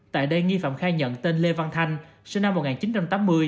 tại đây nghi phạm khai nhận tên lê văn thanh sinh năm một nghìn chín trăm tám mươi